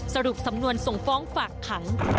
สรุปสำนวนส่งฟ้องฝากขัง